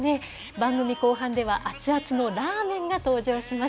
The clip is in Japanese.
番組後半では、熱々のラーメンが登場します。